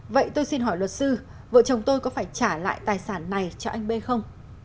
vậy tôi xin hỏi luật sư vợ chồng tôi có phải trả lại tài sản này cho anh b không